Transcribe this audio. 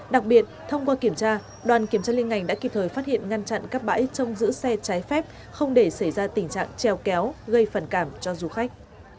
đặc biệt thông qua kiểm tra đoàn kiểm tra liên ngành đã kịp thời phát hiện ngăn chặn các bãi trông giữ xe trái phép không để xảy ra tình trạng treo kéo gây phản cảm cho du khách